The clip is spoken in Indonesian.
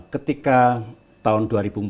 ketika tahun dua ribu empat belas